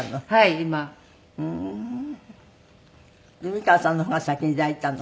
美川さんの方が先に抱いたの？